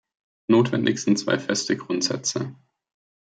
Notwendig sind zwei feste Grundsätze.